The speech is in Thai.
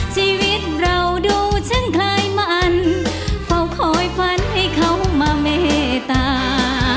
ชีวิตเราดูฉันคลายมันเฝ้าคอยฝันให้เขามาเมตตา